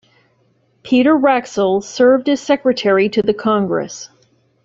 Peter Wraxall served as Secretary to the Congress.